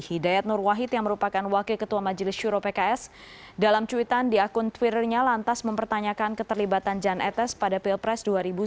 hidayat nur wahid yang merupakan wakil ketua majelis syuro pks dalam cuitan di akun twitternya lantas mempertanyakan keterlibatan jan etes pada pilpres dua ribu sembilan belas